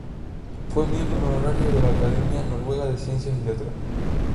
Fue miembro honorario de la Academia Noruega de Ciencias y Letras.